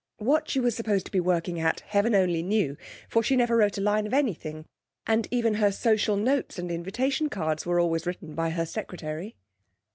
What she was supposed to be working at, heaven only knew; for she never wrote a line of anything, and even her social notes and invitation cards were always written by her secretary.